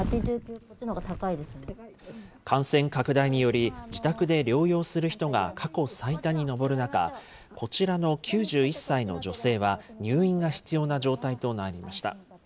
感染拡大により、自宅で療養する人が過去最多に上る中、こちらの９１歳の女性は、入院が必要な状態となりました。